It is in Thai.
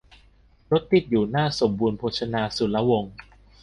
รถติดอยู่หน้าสมบูรณ์โภชนาสุรวงศ์